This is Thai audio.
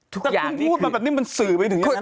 ถึงบู๋ตแล้วแบบนี้มันสื่อไปถึงด้วย